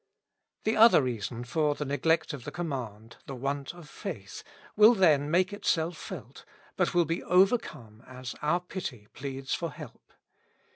The other reason for the neglect of the command, the want of faith, will then make itself felt, but will be overcome as our pity pleads for help.